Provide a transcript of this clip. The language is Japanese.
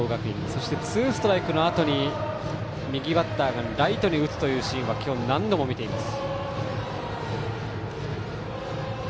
そして、ツーストライクのあとに右バッターがライトに打つというシーンを今日、何度も見ています。